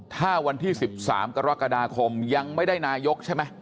ถ้าวันที่๑๓กรกฎาคมยังไม่ได้นายกใช่ไหม